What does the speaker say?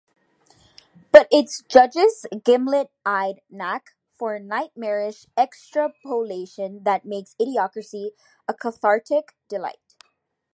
But it's Judge's gimlet-eyed knack for nightmarish extrapolation that makes "Idiocracy" a cathartic delight.